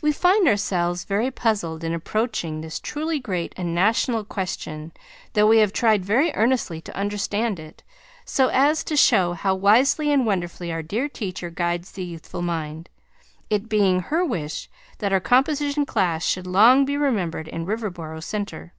We find ourselves very puzzled in approaching this truly great and national question though we have tried very ernestly to understand it, so as to show how wisely and wonderfully our dear teacher guides the youthful mind, it being her wish that our composition class shall long be remembered in Riverboro Centre.